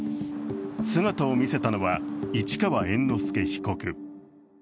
姿を見せたのは市川猿之助被告。